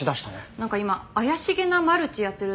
なんか今怪しげなマルチやってるらしくて。